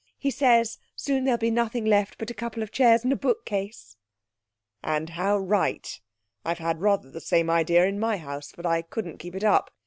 He says, soon there'll be nothing left but a couple of chairs and a bookcase!' 'And how right! I've had rather the same idea in my house, but I couldn't keep it up.